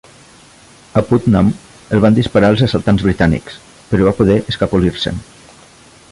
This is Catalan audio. A Putnam el van disparar els assaltants britànics, però va poder escapolir-se'n.